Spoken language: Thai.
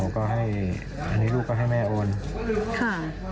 ก็ให้อันนี้ลูกก็ให้แม่โอนค่ะ